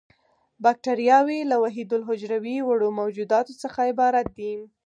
باکټریاوې له وحیدالحجروي وړو موجوداتو څخه عبارت دي.